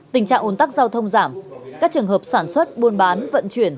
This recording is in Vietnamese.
tình trạng ồn tắc giao thông giảm các trường hợp sản xuất buôn bán vận chuyển